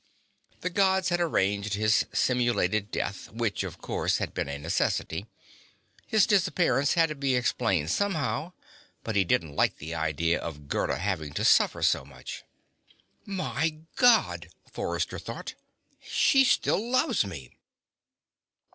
The Gods had arranged his simulated death, which, of course, had been a necessity. His disappearance had to be explained somehow. But he didn't like the idea of Gerda having to suffer so much. My God! Forrester thought. _She still loves me!